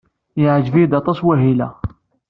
Yeɛjeb-iyi aṭas wahil-a!